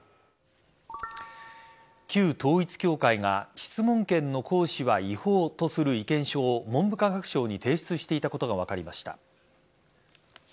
旧統一教会が質問権の行使は違法とする意見書を文部科学省に提出していたことが分かりました。